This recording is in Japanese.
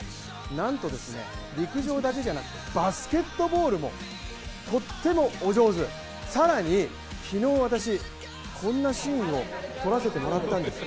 なんと陸上だけじゃなくバスケットボールもとってもお上手、更に昨日、私、こんなシーンを撮らせてもらったんですよ。